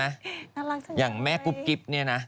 น่ารักจังอย่างแม่กุ๊บกิ๊บเนี่ยนะ